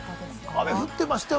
雨降ってましたよ。